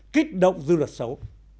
kích động dư luật xấu